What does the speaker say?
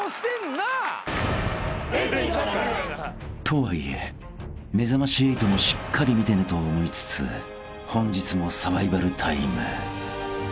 ［とはいえ『めざまし８』もしっかり見てねと思いつつ本日もサバイバルタイム］